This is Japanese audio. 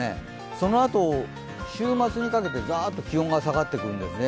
そのあと、週末にかけてざーっと気温が下がってくるんですね。